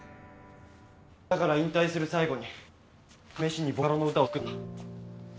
だから引退する最後に試しにボカロの歌を作ったんだ。